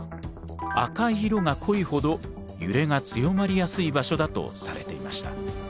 赤い色が濃いほど揺れが強まりやすい場所だとされていました。